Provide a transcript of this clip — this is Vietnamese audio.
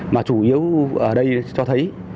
mà chủ yếu ở đây cho thấy